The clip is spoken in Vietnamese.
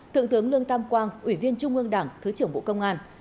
thượng tướng lương tam quang ủy viên trung ương đảng thứ trưởng bộ công an